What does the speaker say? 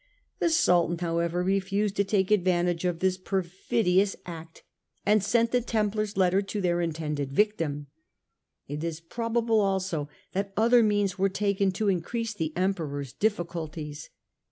The Sultan, however, refused to take advantage of this perfidious 94 STUPOR MUNDI act, and sent the Templars' letter to their intended victim. It is probable also that other means were taken to increase the Emperor's difficulties.